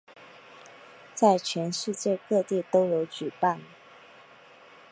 在全世界各地都有举办。